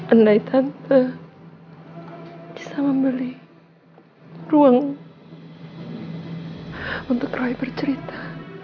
andai tanpa bisa membeli ruang untuk roy bercerita